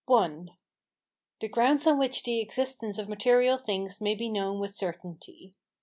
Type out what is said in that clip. I. The grounds on which the existence of material things may be known with certainty.